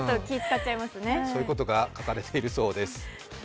そういうことが書かれているそうです。